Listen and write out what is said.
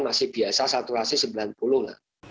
masih biasa saturasi sembilan puluh lah